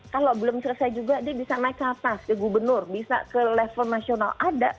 kalau belum selesai juga dia bisa naik ke atas ke gubernur bisa ke level nasional ada